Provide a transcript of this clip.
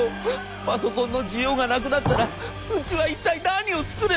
パソコンの需要がなくなったらうちは一体何を作れば」。